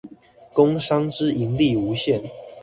工商之盈利無限